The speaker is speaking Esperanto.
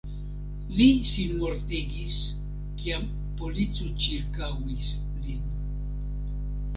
Li sinmortigis kiam polico ĉirkaŭis lin.